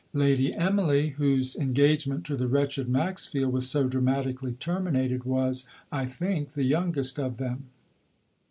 Lady Emily, whose engagement to the wretched Maxfield was so dramatically terminated was, I think, the youngest of them.